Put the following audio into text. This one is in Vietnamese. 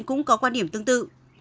cũng có quan điểm tương tự